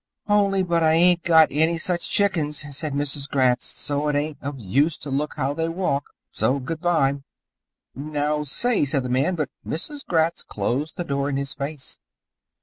"Only but I ain't got any such chickens," said Mrs. Gratz. "So it ain't of use to look how they walk. So good bye." "Now, say " said the man, but Mrs. Gratz closed the door in his face.